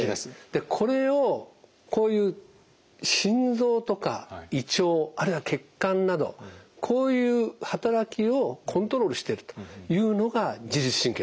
これをこういう心臓とか胃腸あるいは血管などこういう働きをコントロールしてるというのが自律神経なんです。